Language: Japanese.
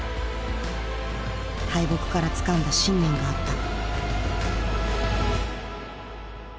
敗北からつかんだ信念があった。